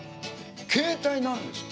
携帯なんですよ。